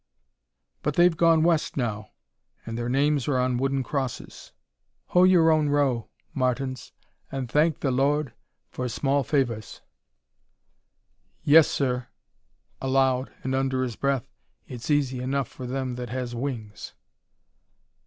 But they've gone West now and their names are on wooden crosses. Hoe your own row, Martins, and thank the Lord for small favors." "Yes, sir," aloud, and under his breath, "It's easy enough for them that has wings."